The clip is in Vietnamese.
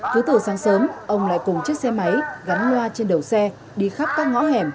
cứ từ sáng sớm ông lại cùng chiếc xe máy gắn loa trên đầu xe đi khắp các ngõ hẻm